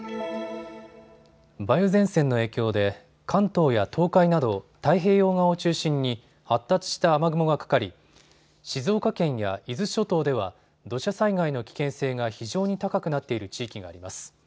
梅雨前線の影響で関東や東海など太平洋側を中心に発達した雨雲がかかり静岡県や伊豆諸島では土砂災害の危険性が非常に高くなっている地域があります。